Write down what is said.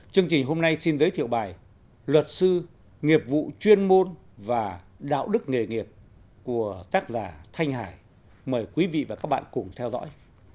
chương trình hôm nay xin giới thiệu bài luật sư nghiệp vụ chuyên môn và đạo đức nghề nghiệp của tác giả thanh hải mời quý vị và các bạn cùng theo dõi